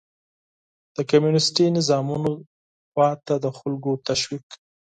د کمونيستي نظامونو طرف ته د خلکو تشويق